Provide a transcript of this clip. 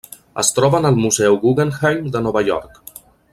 Es troba en el Museu Guggenheim de Nova York.